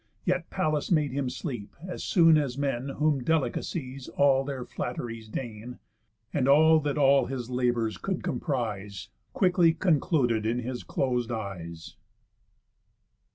Yet Pallas made him sleep as soon as men Whom delicacies all their flatt'ries deign, And all that all his labours could comprise Quickly concluded in his closed eyes.